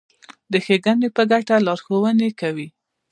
د ښېګڼې په ګټه لارښوونې کوي.